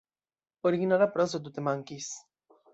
Originala prozo tute mankis.